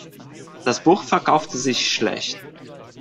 Das Buch verkaufte sich schlecht.